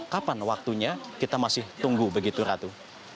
kapan waktunya kita masih tunggu begitu ratu